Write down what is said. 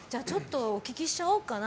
お聞きしちゃおうかな。